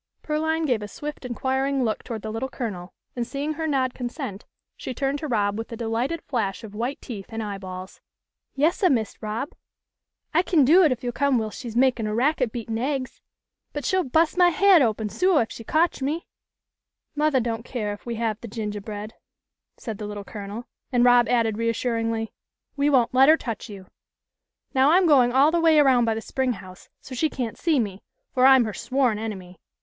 Pearline gave a swift inquiring look toward the Little Colonel, and seeing her nod consent, she turned to Rob with a delighted flash of white teeth and eye balls. " Yessa, Mist Rob. I kin do it if you'll come whilst she's makin' a racket beatin' aigs. But she'll bus' my haid open suah, if she cotch me." " Mothah doesn't care if we have the gingahbread," said the Little Colonel, and Rob added, reassuringly, "We won't let her touch you. Now I'm going all 24 THE LITTLE COLONEL'S HOLIDAYS. the way around by the spring house, so she can't see me, for I'm her sworn enemy.